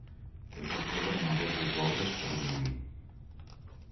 És autor de nombroses obres per a violí.